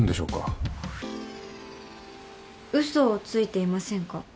うそをついていませんか？